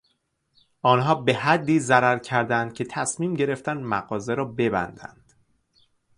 آنها به حدی ضرر کردند که تصمیم گرفتند مغازه را ببندند.